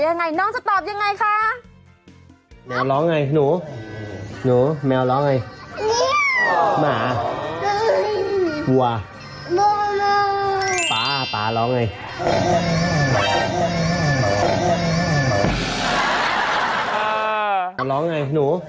มันร้องไงหนู